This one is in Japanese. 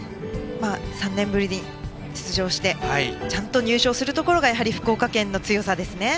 ３年ぶりに出場してちゃんと入賞するところがやはり福岡県の強さですね。